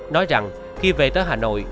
nói rằng khi về tới hà nội